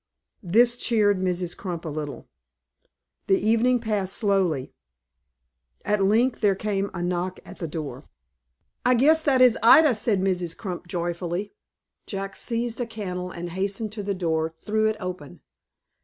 This cheered Mrs. Crump a little. The evening passed slowly. At length there came a knock at the door. "I guess that is Ida," said Mrs. Crump, joyfully. Jack seized a candle, and hastening to the door, threw it open.